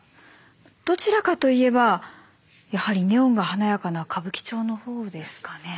どちらかといえばやはりネオンが華やかな歌舞伎町の方ですかね。